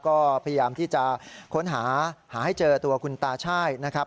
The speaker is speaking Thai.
ก็พยายามที่จะค้นหาหาให้เจอตัวคุณตาช่ายนะครับ